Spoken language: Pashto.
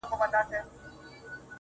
• دغه سُر خالقه دغه تال کي کړې بدل.